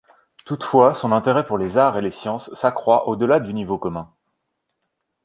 Toutefois son intérêt pour les arts et les sciences s'accroît au-delà du niveau commun.